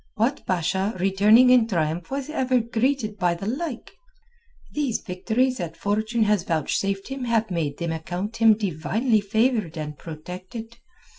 What Basha returning in triumph was ever greeted by the like? These victories that fortune has vouchsafed him have made them account him divinely favoured and protected.